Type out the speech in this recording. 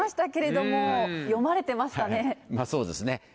まぁそうですね。